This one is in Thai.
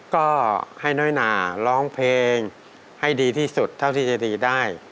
ก็ให้น้อยหนาร้องเพลงให้ดีที่สุดเท่าที่จะดีได้